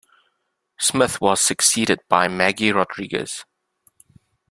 Smith was succeeded by Maggie Rodriguez.